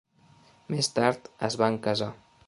Més tard es van casar.